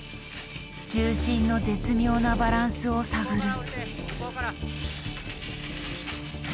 重心の絶妙なバランスを探る。